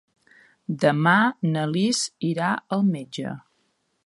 Demà na Lis irà al metge.